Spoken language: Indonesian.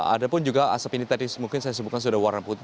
ada pun juga asap ini tadi mungkin saya sebutkan sudah warna putih